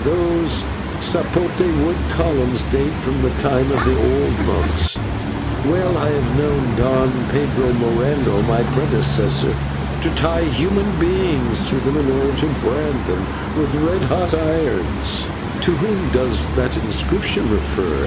Those /sapote/ wood columns date from the time of the old monks. Well, I have known Don Pedro Moreno, my predecessor, tie human beings to them in order to brand them with red hot irons." "To whom does that inscription refer?"